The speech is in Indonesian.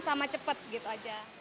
sama cepat gitu aja